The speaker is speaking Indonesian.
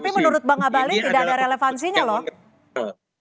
tapi menurut bang abalin tidak ada relevansinya loh